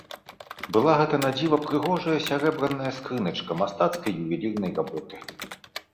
Была гэта надзіва прыгожая сярэбраная скрыначка мастацкай ювелірнай работы.